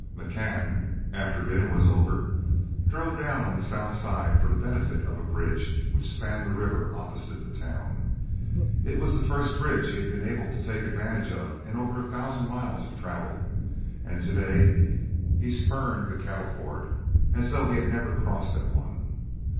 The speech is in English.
McCann, after dinner was over, drove down on the south side for the benefit of a bridge which spanned the river opposite the town. It was the first bridge he had been able to take advantage of in over a thousand miles of travel, and to day he spurned the cattle ford as though he had never crossed at one.